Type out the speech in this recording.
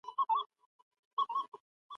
د مقام او منصب مینه د څېړنې ارزښت کموي.